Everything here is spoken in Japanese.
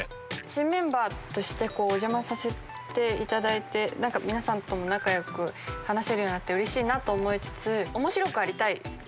新メンバーとしてお邪魔させていただいて皆さんとも仲良く話せてうれしいなと思いつつ。